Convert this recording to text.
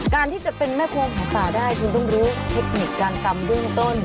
การที่จะเป็นแม่ควงหัวป่าได้ทุกคนต้องรู้เทคนิคการกรรมเรื่องต้น